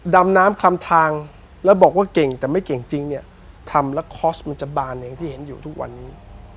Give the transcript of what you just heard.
ดำน้ำคลำทางแล้วบอกว่าเก่งแต่ไม่เก่งจริงเนี่ยทำแล้วคอร์สมันจะบานอย่างที่เห็นอยู่ทุกวันนี้